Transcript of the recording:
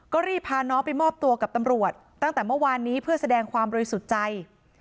ก็รีบพาน้องไปมอบตัวกับตำรวจตั้งแต่เมื่อวานนี้เพื่อแสดงความบริสุทธิ์ใจ